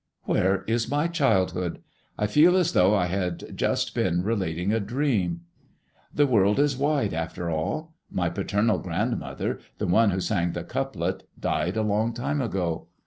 Where is my childhood? I feel as though I had just been relating a dream. The world is wide, after all! My paternal grandmother, the one who sang the couplet, died a long time ago.